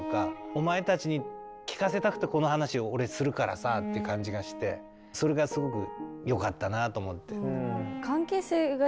お前たちに聞かせたくてこの話を俺するからさって感じがしてそれがすごく良かったなと思って。